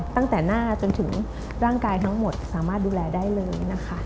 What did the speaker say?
ตั้งแต่หน้าจนถึงร่างกายทั้งหมดสามารถดูแลได้เลยนะคะ